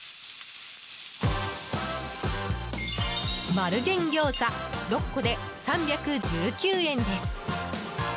丸源餃子、６個で３１９円です。